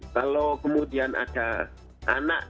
kalau kemudian ada anak